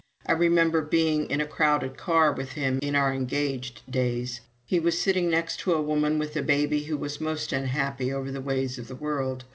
I remember being in a crowded car with him in our engaged days. He was sitting next to a woman with a baby who was most unhappy over the ways of the world.